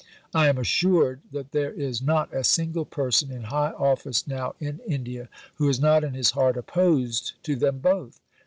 I am assured that there is not a single person in high office now in India who is not in his heart opposed to them both.